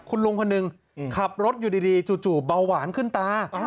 คุณลุงคนหนึ่งขับรถอยู่ดีจู่เบาหวานขึ้นตา